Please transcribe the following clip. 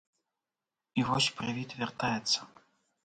І вось прывід вяртаецца.